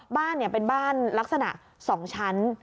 บ้านเป็นบ้านลักษณะ๒ชั้น